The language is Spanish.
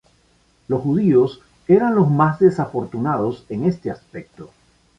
Los judíos eran los más desafortunados en este aspecto.